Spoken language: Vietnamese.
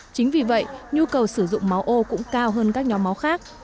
chính vì vậy nhu cầu sử dụng máu ô cũng cao hơn các nhóm máu khác